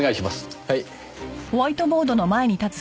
はい。